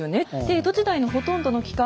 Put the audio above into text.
江戸時代のほとんどの期間